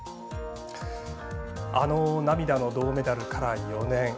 あの涙の銅メダルから４年。